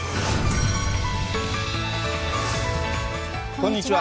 こんにちは。